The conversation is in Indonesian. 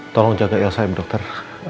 tolong jaga elsa bu dokter